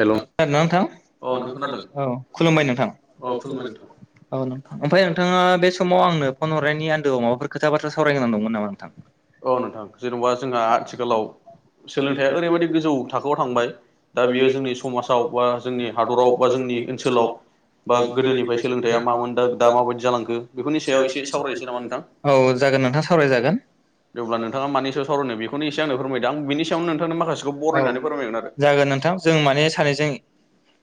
Hello खोनादोंना औ खोनादों नोंथां खुलुमबाय नोंथां। औ ओमफ्राय नोंथाङा बे समाव आंनो फन हरनायनि आन्दोआव माबाफोर खोथा बाथ्रा सरायनोगोनां दंमोन नामा नोंथां? औ नोंथां जेनेबा जोंहा आथिखालाव सोलोंथाइया ओरैबायदि गोजौ थाखोआव थांबाय दा बेयो जोंनि जोंनि समाजाव बा जोंनि हादराव बा जोंनि ओनसोलाव बा गोदोनिफ्राय सोलोंथाइआ मामोन दा दा माबायदि जालांखो बेफोरनि सायाव एसे सावरायनोसै नामा औ नोंथां? जागोन नोंथां सावरायजागोन। अब्ला नोंथाङा मानि सायाव सावरायनो बेखौनो एसे आंनो फोरमायदो आं बिनि सायावनो नोंथांनो माखासेखौ औ बरायनानै फोरमायगोन जागोन नोंथां जों मा ने सानैजों आरो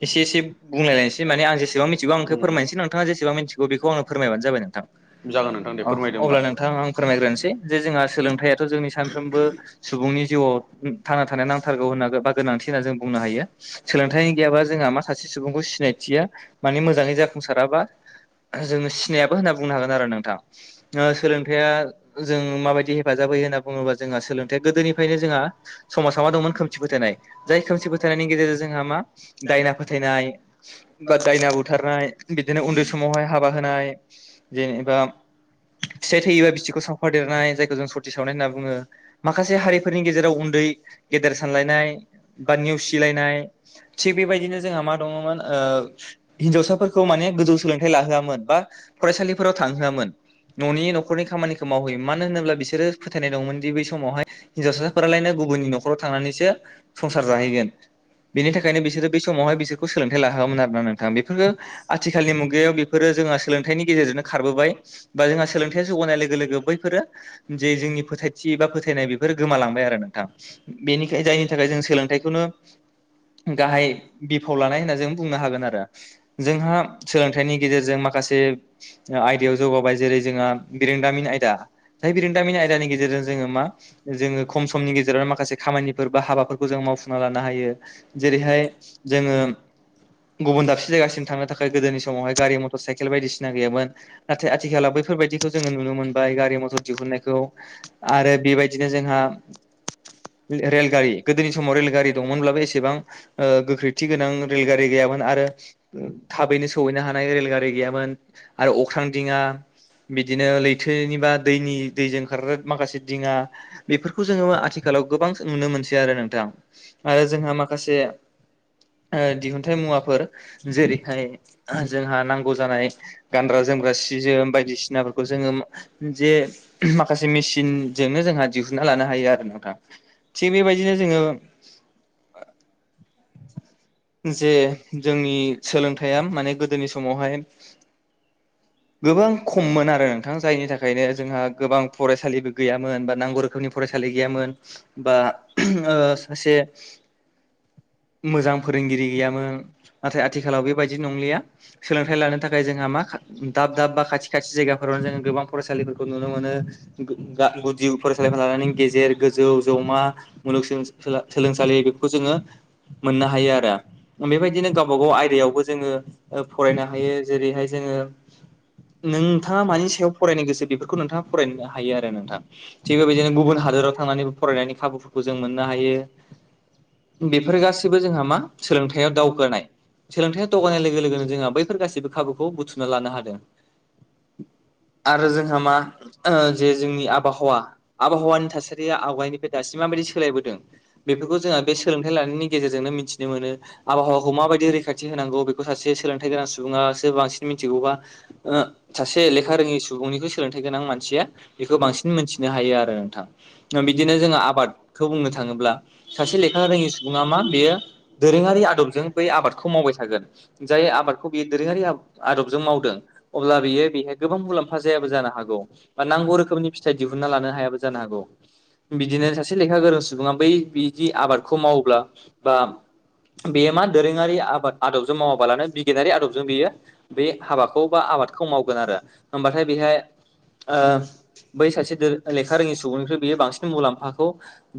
एसे एसे बुंलाय लायनोसै माने आं जेसेबां मिथिगौ आंखौ फोरमायनोसै नोंथाङा जेसेबां मिथिगौ बेखौ आंनो फोरमायबानो जाबाय नोंथां। जागोन नोंथां दे अ फोरमायदो होमबा। अब्ला नोंथां आं फोरमायग्रोनोसै। जे जोंहा सोलोंथायाइथ' जोंनि सानफ्रोमबो सुबुंनि जिउआव थांना थानाय नांथारगौ होनना बा गोनांथि होना जों बुंनो हायो। सोलोंथाइ गैयाबा जोंहा मा सासे सुबुंखौ सिनायथिया माने मोजाङै जाफुंसाराबा जोङो सिनायाबो होनना बुंनो हागोन आरो नोंथां ओ सोलोंथाइया जों माबायदि हेफाजाब होयो होनना बुङोबा जोंहा सोलोंथाया गोदोनिफ्रायनो जोंहा समाजाव मा दंमोन खोमसि फोथायनाय जाय खोमसि फोथायनायनि [inaudible] गेजेरजों जोंहा मा दायना फोथायनाय बा दायना बुथारनाय बिदिनो उन्दै समावहाय हाबा होनाय जेनेबा सेथि [unintelligible] फादेरनाय जायखौ जों सति सावनाय होनना बुङो माखासे हारिफोरनि गेजेराव उन्दै गेदेर सानलायनाय बा नेउसि लायनाय थिग बेबायदिनो जोंहा मा दङमोन ओ हिन्जावसा फोरखौ माने गोजौ सोलोंथाइ लाहोआमोन बा फरायसालिफोराव थांहोआमोन न'नि न'खरनि खामानि मावहोयो मानो होनोब्ला बिसोरो फोथायनाय दंमोनदि बै समावहाय हिन्जावसाफोरालायनो गुबुननि न'खराव थांनानैसो संसार जाहैगोन। बेनि थाखायनो बिसोरो बे समावहाय बिसोरखौ सोलोंथाइ लाहोआमोन आरो ना नोंथां बेफोरो आथिखालनि मुगायाव जोंहा सोलोंथाइनि गेजेरजोंनो खारबोबाय बा जोंहा सोलोंथाय जौगानाय लोगो लोगो लोगो बैफोरो जे जोंनि फोथायथि बा फोथायनाय बेफोरो गोमालांबाय आरो नोंथां बेनिखायनो जायनि थाखाय जों सोलोंथाइखौनो गाहाय बिफाव लानाय होनना जों बुंनो हागोन आरो जोंहा सोलोंथाइनि गेजेरजों माखासे आयदायाव जौगाबाय जेरै जोङा रोंदामिन आयदा जाय बिरोंदामिन आयदानि गेजेरजों जोङो मा जोङो खम समनि गेजेराव माखासे खामानि [unintelligible] हाबाफोरखौ जों मावफुंना लानो हायो जेरैहाय जोङो गुबुन दाबसे जायगासिम थांनो थाखाय गोदोनि समावहाय गारि मटर साइकेल बायदिसिना गैयामोन नाथाय आथिालला बैफोर बेफोरबायदिखौ जोङो नुनो मोनबाय गारि मथर दिहुननायखौ आरो बेबायदिनो जोंहा रेलगारि गोदोनि समाव रेलगारि दंमोनब्लाबो एसे गोख्रैथि गोनां रेल गारि गैयामोन आरो थाबैनो सहैनो हानाय रेल गारि गैयामोन आरो अख्रां दिङा [unintelligible] बा दैनि दैजों ओंखारग्रा माखासे दिङा बेफोरखौ जोङो आथिखालाव गोबां नुनो मोनो [unintelligible] आरो नोंथां आरो जोंहा माखासे दिहुनथाइ मुवाफोर जेरैहाय जोंहा नांगौ जानाय गानग्रा जोम सि जोम बायदिसिनाफोर जे माखासे मेसिनजोंनो जोंहा दिहुनना लानो हायो आरो ना थिग बेबायदिनो जोङो जे जोंनि सोलोंथाइया माने गोदोनि समावहाय गोबां खममोन आरो नोंथां जायनि थाखायनो जोंहा गोबां फरायसालिबो गैयामोन ब नांगौ रोखोमनि फरायसालि गैयामोन बा सासे मोजां फोरोंगिरि गैयामोन नाथाय आथिखालाव बेबायदि नंलिया सोलोंथाइ लानो थाखाय जोंहा मा दाब दाब बा खाथि खाथि जायगाफोरावनो जोङो गोबां फरायसालिफोरखौ नुनो मोनो गुदि [unintelligible] लानानै गेजेर गोजौ जौमा मुलुग सोलोंसालि बेफोरखौ जोङो मोननो हायो आरो बेबायदिनो गावबा गाव आयदायावबो जोङो फरायनो हायो जेरैहाय जोङो नोंथाङा मानि सायाव फरायनो गोसो बेफोरखौ नोंथाङा फरायनो हायो आरो नोंथां। थिग बेबायदिनो गुबुन हादोराव थांनानै फरायनायनि खाबुफोरखौ जों मोननो हायो। बेफोर गासैबो जोंहा मा सोलोंथाइयाव दावगोनाय। सोलोंथाइयाव दावगानाय लोगो लोगोनो जोंहा बैफोर गासैबो खाबुखौ बुथुमना लानो हादों। आरो जोंहा मा जे जोंनि आबहावा आबहावानि थासारिया आवगायनिफ्राय दासिम माबायदि सोलायबोदों बे जोङा बे सोलोंथाइ लानायनि गेजेरजोंनो मिथिनो मोनो आबहावाखौ माबायदि रैखाथि होनांगौ बेखौ सासे सोलोंथाइ गोनां सुबुङासो बांसिन मिथिगौबा ओ सासे लेखा रोङै सुबुंनिख्रुय सोलोंथाय म गोनां मानसिया बेखौ बांसिन मोनथिनो हायो आरो नोंथां बिदिनो जोङो आबादखौ बुंनो थाङोब्ला सासे ले खा रोङि सुबुङा मा बेयो दोरोङारि आदबजों बै आबादखौ मावबाय थागोन जाय आबादखौ बेयो दोरोङारि आदबजों मावदो अब्ला बियो बेहाय गोबां मुलाम्फा जायाबो जानो हागौ बा नांगौ रोखोमनि फि फिथाइ दिहुनना लानो हायाबो जानो हागौ बिदिनो सासे लेखा गोरों सुबुङा बै बिदि आबाद मावब्ला बा बेयो मा दोरोङारि आबाद आदबजों मावाबालानो बिगियारि आदबजों बेयो बे हाबाखौ बा आबादखौ मावगोन आरो होमबाथाय बेहाय बै सासे लेखा रोङै सुबुंनिख्रुइ बियो मुलाम्फाखौ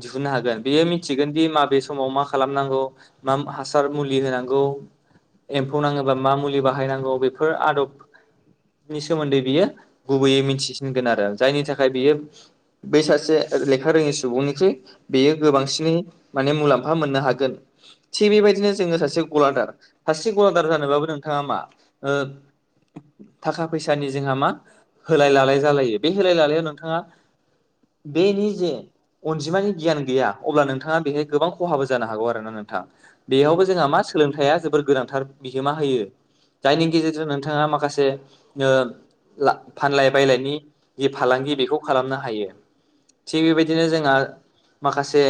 दिहुननो हागोन बेयो मिथिगोन। दि माबे समाव मा खालामनांगौ मा हासार मुलि होनांगौ एम्फौ नाङोबा मा मुलि बाहायनांगौ बेफोर आदब नि सोमोन्दै बियो गुबैयै मिथिसिनगोन आरो जायनि थाखाय बियो बै सासे रोङैनि सुबुंनिख्रुइ बेयो गोबांसिनै मुलाम्फा मोननो हागोन थिग बेबायदिनो जोङो सासे गलादार सासे गलादार जानोबाबो नोंथाङा ओ। थाखा फैसानि जोंहा मा होलाय लालाय जालायो बे होलाय लालायाव नोंथाङा [inaudible] बेनि जे अनजिमानि गियान गैया अब्ला नोंथाङा बेहाय गोबां खहाबो जानो हागौ आरो ना नोंथां बेयावबो जोंहा मा सोलोंथाइया जोबोर गोनांथार बिहोमा होयो। जायनि गेजेरजों नोंथाङा माखासे ओ फानलाय बायलायनि जि फालांगि बेखौ खालामनो हायो। थिग बेबायदिनो जोंहा माखासे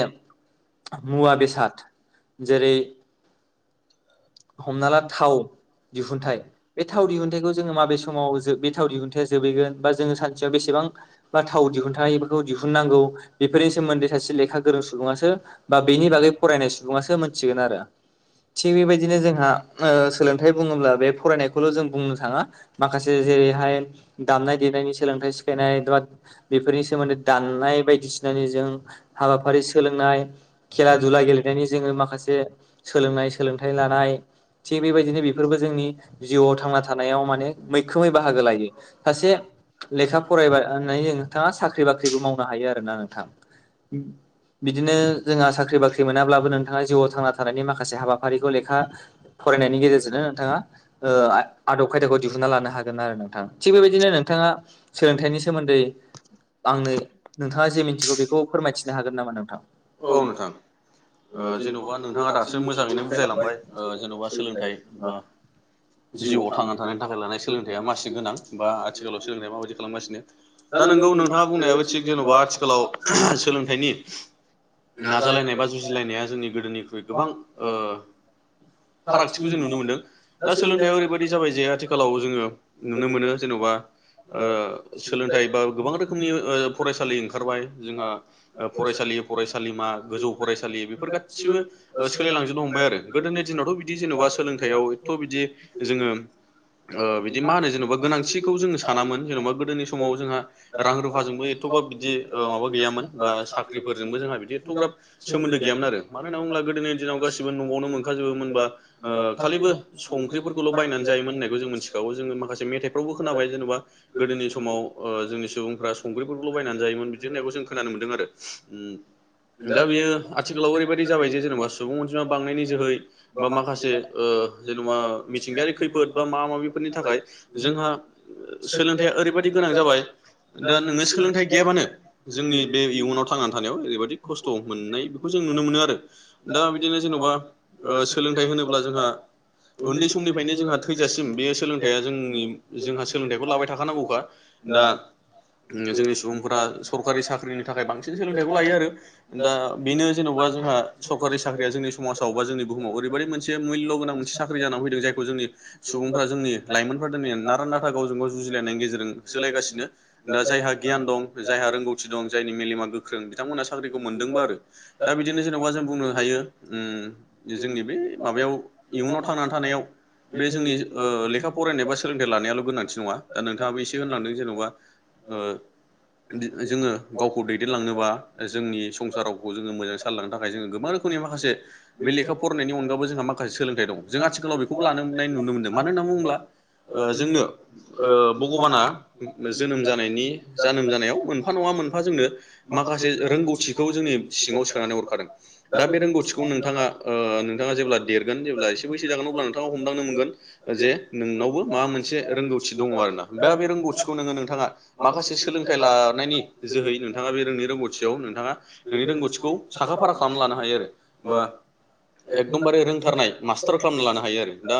मुवा बेसाद जेरै हमना ला थाव दिहुनथाइ बे थाव दिहुनथाइखौ जोङो माबे समाव बे थाव दिहुनन्थाया जोबहैगोन बा जोङो सानसेयाव बेसेबां थाव दिहुनथफोरखौ दिहुननांगौ बेफोरनि सोमोन्दै सासे लेखा गोरों सुबुंआसो बा बेनि बागै फरायनाय सुबुंङासो मोनथिगोन आरो थिग बेबायदि बिदिनो जोंहा सोलोंथायाइ बुङोब्ला बे फरायनायखौल' जों बुंनो थाङा माखासे जेरैहाय दामनाय देनायनि सोलोंथाइ सिखायनाय बा बेफोरनि सोमोन्दै दामनाय बायदिसिनानि जों हाबाफारि सोलोंनाय खेला दुला गेलेनायनि जोङो माखासे सोलोंनाय हथाय लानाय थिग बेबायदिनो बेफोरबो जोंनि जिउआव थांना थानायाव माने मैखोमै बाहागो लायो सासे लेखा फरायब होननानै नोंथाङा साख्रि बाख्रिबो मावनो हायो आरोना नोंथां। बिदिनो जोंहा साख्रि बाख्रि मोनाब्लाबो नोंथाङा जिउआव थांना थानायनि माखासे हाबा फारिखौ लेखा फरायनायनि गेजेरजोंनो नोंथाङा आदब खायदाखौ दिहुनना लानो हागोन आरो ना नोंथां थिग बेबायदिनो नोंथाङा सोलोंथाइनि सोमोन्दै आंनो नोंथाङा जे मिथिगौ बेखौ फोरमायथिनो हागोन नामा नोंथां? औ। जेन'बा नोंथाङा दासो मोजाङैनो बुजायलांबाय जेन'बा सोलोंथाइ जिउआव थांनानै थानायनि थाखाय लानाय सोलोंथाइा मानसि गोनां बा आथिखालाव सोलोंथाइया माबायदि खालामगासिनो दा नोंगौ नोंथाङा बुंनायाबो थिग जेन'बा आथिखालाव सोलोंथाइनि नाजालायनाय बा जुजिलायनाया जोंनि गोदोनिख्रुइ गोबां ओ फारागथिखौ जों नुनो मोनदों। दा सोलोंथायाइआ ओरैबायदि जाबाय जे आथिखालाव जोङो नुनो मोनो जेन'बा सोलोंथाइ बा गोबां रोखोमनि फरायसालि ओंखारबाय जोंहा फरायसालि फरायसालिमा गोजौ फरायसालि बेफोर गासिबो सोलायलांजोबनो हमबाय आरो। गोदोनि दिनावथ' बिदि जेन'बा सोलोंथायाइयाव एतथ' बिदि जोङो बिदि मा होनो जेनेबा गोनांथिखौ जोङो सानामोन जेन'बा गोदोनि समाव जोंहा रां रुफाजोंबो एथ--' बाब बिदि माबा गैयामोन बा साख्रिजोंबो जोंहा बिदि एथ'ग्राब सोमोनदो गैयामोन आरो मानो होनना बुंङोब्ला गोदोनि दिनाव गासिबो नवावनो मोन खाजोबोमोनबा गाज्रिबो संख्रिफोरखौल' बायनानै जायोमोन होननायखौ जों मोनथिखागौ जों माखासे खोनाबाय जेनेबा गोदोनि समाव जों सुबुंफ्रा संख्रिफोरखौल' बायनानै जायोमोन बिदि होननायखौ जों खोनादोंमोन। आरो। दा बेयो आथिखालावबो ओरैबायदि जाबाय जे जेनेबा सुबुं अनजिमा बांनायनि जोहै बा माखासे जेनेबा मिथिंगायारि खैफोद बा माबा माबिफोरनि थाखाय जोंहा सोलोंथाइया ओरैबायाददि गोनां जाबाय दा नोङो सोलोंथाइ गैयाबानो जोंनि बे इयुनाव थांनानै थानायाव ओरैबायदि खस्थ' मोननाय बेखौ जों नुनो मोनो आरो दा बिदिनो जेन'बा सोलोंथाइ होनोब्ला जोंहा उन्दै समनिफ्रायनो जोंहा थैजासिम बे सोलोंथाइया जोंनि जोंहा सोलोंथाइखौ लाबाय थाखानांगौखा। दा। जोंनि सुबुंफोरा सरकारि साख्रिनि थाखाय बांसिन सोलोंथाइखौ लायो आरो दा बेनो जेन'बा जोंहा सरकारि साख्रिया जोंनि समाजाव जोंनि बुहुमाव ओरैबायदि मोनसे मुल्य गोनां मोनसे साख्रि जानानै फैदों जायखौ जोंनि सुबुंफ्रा जोंनि लाइमोनफ्रा दिनै नारा नाथा गावजों गाव जुजिलायनायनि गेजेरजों सोलायगासिनो दा जायहा गियान दं जायहा रोंगौथि दं जा जायनि मेलेमा गोख्रों बिथांमोना साख्रिखौ मोनदोंबा आरो दा बिदिनो जेन'बा जों बुंनो हायो। जोंनि बे माबायाव इयुनाव थांनानै थानायाव बे जोंनि लेखा फरायनाय बा सोलोंथाइ लानायाल' गोनांथि नङा दा नोंथाङाबो एसे होनलांदों जेन'बा ओ जोङो गावखौ दैदेनलांनोबा जोंनि संसार रावखौ जोङो मोजाङै सायलांनो थाखाय जोङो गोबां [unintelligible] माखासे बे लेखा फरायनायनि अनगाबबो जोंहा माखासे सोलोंथाइ दं जों आथिखालाव बेखौ लानोनाय नुनो मोनदों मानो होनना बुङोब्ला जोंनो भगबाना जोनोम जानायनि जोनोम जानायाव मोनफा नङा मोनफा जोंनो माखासे रोंगौथिखौ जोंनि सिङाव सोनानै हरखादों दा बे रोंगौथिखौनो ओ नोंथाङा जेब्ला देरगोन जेब्ला एसे बैसो जागोन अब्ला नोंथाङा हमदांनो मोनगोन जे नोंनावबो मा मो नसे रोंगौथि दङ आरोना दा बे रोंगौथिखौ नोङो नोंथाङा माखासे सोलोंथाइ लानायनि जोहै नोंथाङा बे रों रोंगौथियाव नोंथाङा नोंनि रोंगौथिखौ साखा फारा खालामना लानो हायो आरो हबा एकदमबारे रोंथारनाय मास्टार खालामना लानो हायो आरो दा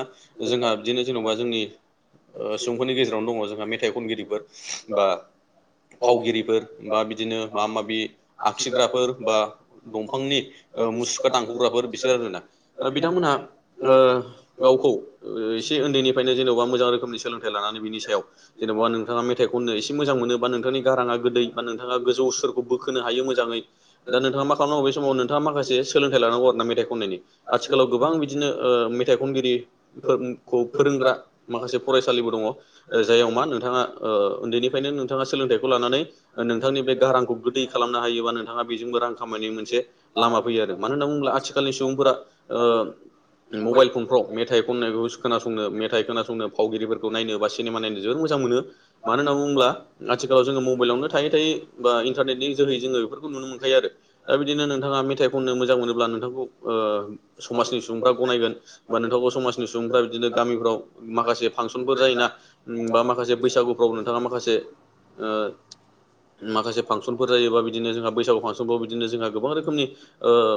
जोंहा बिदिनो जेनेबा जोंनि सुबुंफोरनि गेजेरावनो दङ जोंहा मेथाइ खनगिरिफोर बा फावगिरिफोर बा बिदिनो माबा माबि आखिग्राफोर बा दंफांनि मुसुखा दानख'ग्राफोर बिसोर बिथांमोनहा गावखौ एसे उन्दैनिफ्रायनो जेनेबा मोजां रोखोम नि सोलोंथाइ लानानै बिनि सायाव जेन'बा नोंथाङा मेथाइ खनो एसे मोजां मोनबा नोंथांनि गाराङा गोदै बा नोंथाङा गोजौव सुरखौ बोखोनो हायो मोजाङै दक नोंथाङा मा खालामनांगौ बे समाव नोंथाङा मासे सोलोंथाइ लानांगौर ना मेथाइ आथिखालाव गोबां बिदिनो मेथाइ खनगिरि फोरोंग्रा माखासे फरायसालिबो दङ जाययाव मा नोंथा उन्दैनिफ्रायनो नोंथाङा सोलोंथाइखौ लानानै नोंथांनि बे रांखौ गोै खालामनो हायोबा नोंथाङा बेजोंबो रां खामनायनि मोनसे लामा फैयो आरो मानो होनना बुङोब्ला आथि खालनि सुबुंफोरा ओ मबाइल फनफ्राव मेथाइ खननायखौ खोनासंनो मेथाइ खोनासंनो फावगिरिफोरखौ नायनो बा सिनेमा नायनो जोबोर मोजां मोनो मानो होननानै बुङोब्ला आथिलाव जोङो मबाइलावनो थायै थायै बा इन्टारनेटनि जोै जोङो बे नुनो मोनखायो आरो दा बिदिनो नोंथाङा मेथाइ खननो मोजां मोनोब्ला नोंथांखौ समाजनि सुबुंफ्रा गनायगोन बा नोंथावौ समाजनि सुबुंफ्रा बिदिनो गामिफ्राव माखासे फांसनफोर जायोना बा माखासे बैसागुफ्राव नोंथाङा माखासे माखासे फांसनफोर जायोबा बिदिनो जोंहा बैसागु फांसनफ्राव बिदिनो जोंहा गोबां रोखोमनि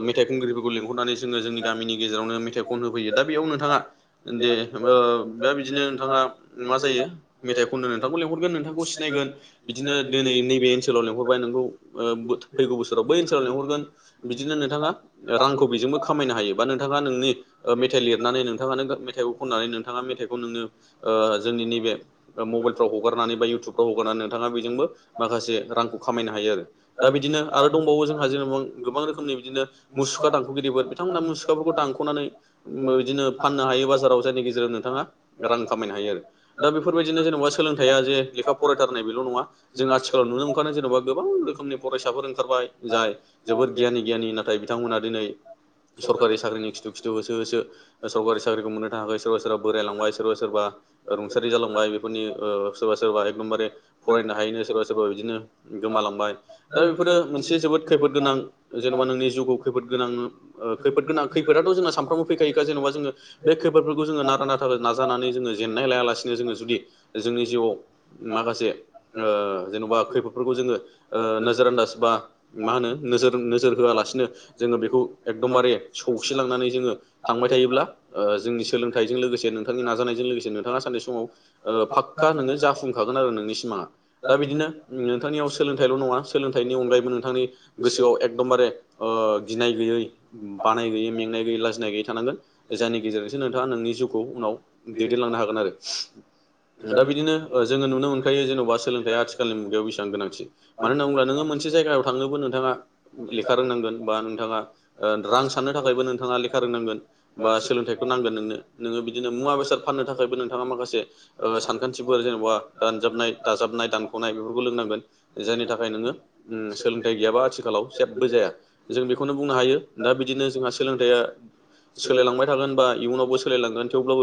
मेथाइ खुंग्रि लेंहरनानै जोङो जोंनि गामिनि गेजेरावनो मेथाइ खन होफैयो दा बेयाव नोंथाङा दे बिदिनो नोंथाङा मा जायो मेथाइ खननो नोंथांखौ लेंहरगोन नोंथांखौ सिनायगोन बिदिनो दिनैनि बे ओनसोलाव लिंहरबाय नोंखौ फैगौ बोसोराव बै ओनसोलाव लिंहरगोन बिदिनो नोंथाङा रांखौ बेजोंबो खामायनो हायो बा नोंथाङा नोंनिह मेथाइ लिरनानै नोंथाङानो मेथाइखौ खननानै नोंथाङा मेथाइखौ नोङो जोंनि नैबे मबाइलफ्राव हगारनानै बा इउटुबफ्राव हगारनानै नोंथाङा बेजोंबो माखासे रांखौ खामायनो हायो आरो दा बिदिनो आरो दंबावो जोंहा जेन'ब गोबां रोखोमनि बिदिनो मुसुखा दानख'गिरिफोर बिथांमोना मुसुखाफोरखौ दानख'नानै बिदिनो फाननो हायो बाजाराव जायनि गेजेराव बिथाङा रां खामायनो हायो आरो दा बेफोरबायदिनो जेनेबा सोलोंथया जे लेखा फरायथारनाय बेल' नङा जों आथिखालाव नुनो मोनखानाय जेन'बा गोबां रोखोमनि फरायसाफोर ओंखारबाय जाय जोबोद गियानि गियानि नाथाय बि बिथांमोना दिनै सरकारि साख्रिनि खिथु खिथ होसो होसो सरकारि साख्रिखौ मोननो थाखाय सोरबा सोरबा बोरायलांबाय सोरबा सोरबा रुंसारि जालांबाय बेफोरनि सोरबा सोरबा एकदमबारे फरायनो हायनो सोरबा सोरबा बिदिनो गोमालांबाय दा बेफोरो मोनसे जोबोद खैफोद गोनां जेन'बा नोंनि जिउखौ खैफोद गोनां खैफो गोनां खैफोथ' जों सानफ्रोमबो फैखायोखा जेनबा जोङो बे खैफोरखौ जोङो नारा नाथारा नाजानानै जोङो जेननाय लाया लासिनो जोङो जुदि जोंनि जिउआव माखासे बा खैफोदफोरखौ जोङो नोजोर आन्दाज बा मा होनो नोजोर नोजोर होआलासिनो जोङो बेखौ एकदमबारे सौसिलांनानै जोङो थांबाय थायोब्ला जोंनि सोलोंथाइजों लोगोसे नोंथांनि नाजानायजों लोगोसे नोंथाङा सानसे समाव फाक्का नोङो जाफुंखागोन आरो नोंनि सिमाङा दा बिदिनो नोंथांनियाव सोलोंथाइल' नङा सोलोंथाइनि अनगायैबो नोंथांनि गोसोआव एकदमबारे गिनाय गैयै बानाय गैयै मेंनाय गैयै लाजिनाय गैयै थानांगोन जायनि गेजेरजोंसो नोंथाङा नोंनि जिउखौ उनाव दैदेनलांनो हागोन आरो दा बिदिनो जोङो नुनो मोनखायो जेन'बा सोलोंथया आथिखालनि मुगायाव बेसेब गोनांथि मानो होन बुोब नोङो मोन मोनसे जायगायाव थांनोबो नोंथाङा लेखा रोंनांगोन बा थाङा ओ रां साननो थाखायबो नोंथाङा लेखा रोंनांगोन बा सोलोंथाइखौ नांगोन नोंनो नोङो बिदिनो मुवा बेसाद फाननो थाखायबो नोंथाङा माखासे सानखान्थिफोर जेनेबा दानजाबनाय दाजाबनाय दानख'नाय। बेफोरखो लोनांगोन जायनि थाखाय नोङो सोलोंथाइ गैयाब्ला आथिखालाव जेबो जाया जों बिब बुंनो हायो दा बिदिनो जोंहा सोलोंथाइया सोलायलांबाय थागोन बा इयुनावबो सोलायलांगोन थेवब्लाबो